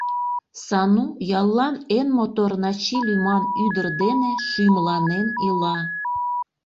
Сану яллан эн мотор Начи лӱман ӱдыр дене шӱмланен ила.